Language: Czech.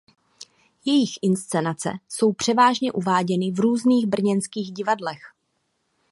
Jejich inscenace jsou převážně uváděny v různých brněnských divadlech.